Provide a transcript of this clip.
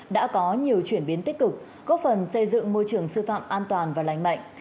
đã có nhiều chuyển biến tích cực góp phần xây dựng môi trường sư phạm an toàn và lành mạnh